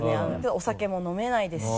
お酒も飲めないですし。